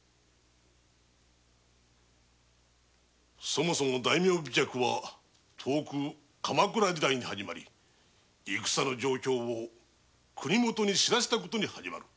そもそも大名飛脚は遠く鎌倉時代に端を発し戦の状況を国もとへ知らせた事に始まる。